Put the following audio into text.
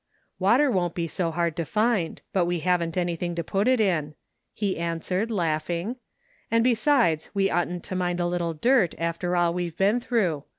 " Water won't be so hard to find, but we haven't anything to put it in," he answered laughing, " and besides, we oughtn't to mind a little dirt after all we've been through.